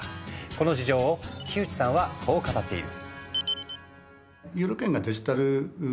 この事情を木内さんはこう語っている。